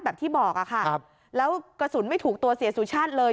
ที่บอกอะค่ะแล้วกระสุนไม่ถูกตัวเสียสุชาติเลย